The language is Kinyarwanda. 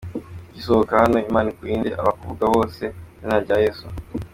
Ugisohoka hano, Imana ikurinde abakuvuga bose mu izina rya Yesu.